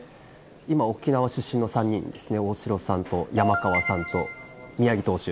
今、沖縄出身の３人、大城さんと山川さんと、宮城投手。